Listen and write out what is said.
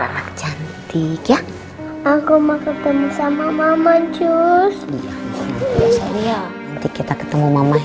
keteranak cantik ya aku mau ketemu sama mama cus ya nanti kita ketemu mama ya